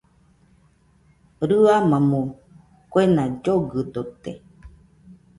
Rɨamamo kuena llogɨdote